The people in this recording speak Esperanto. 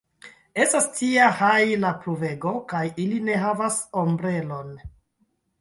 Estas tia hajla pluvego kaj ili ne havas ombrelon!